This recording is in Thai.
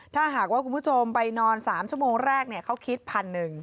ถ้าหากว่าคุณผู้ชมไปนอน๓ชั่วโมงแรกเขาคิดพันหนึ่ง